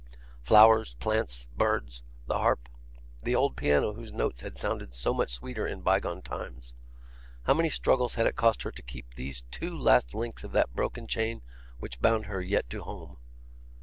Flowers, plants, birds, the harp, the old piano whose notes had sounded so much sweeter in bygone times; how many struggles had it cost her to keep these two last links of that broken chain which bound her yet to home!